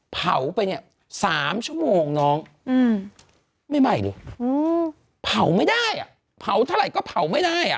เผาไปเนี่ย๓ชั่วโมงน้องไม่ไหม้เลยเผาไม่ได้อ่ะเผาเท่าไหร่ก็เผาไม่ได้อ่ะ